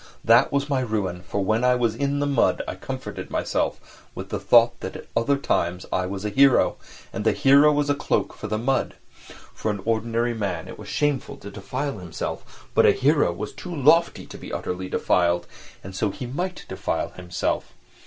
That was my ruin, for when I was in the mud I comforted myself with the thought that at other times I was a hero, and the hero was a cloak for the mud: for an ordinary man it was shameful to defile himself, but a hero was too lofty to be utterly defiled, and so he might defile himself.